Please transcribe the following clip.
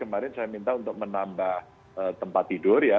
kemarin saya minta untuk menambah tempat tidur ya